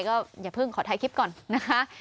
ก็อย่าเพิ่งขอถ่ายคลิปก่อนนะคะ